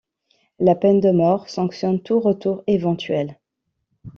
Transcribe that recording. La peine de mort sanctionne tout retour éventuel.